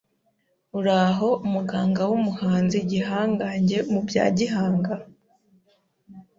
Uraho muhanga w'umuhanzi gihangange mu bya Gihanga?